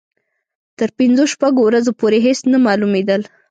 تر پنځو شپږو ورځو پورې هېڅ نه معلومېدل.